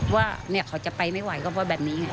ว่าเขาจะไปไม่ไหวก็เพราะแบบนี้ไง